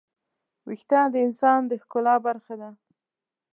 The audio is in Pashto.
وېښتيان د انسان د ښکلا برخه ده.